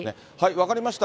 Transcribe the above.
分かりました。